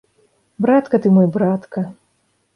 Братка ты мой, братка!